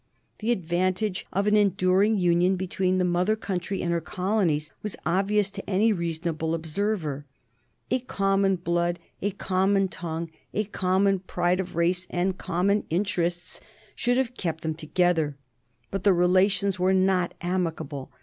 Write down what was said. The advantage of an enduring union between the mother country and her colonies was obvious to any reasonable observer. A common blood, a common tongue, a common pride of race and common interests should have kept them together. But the relations were not amicable.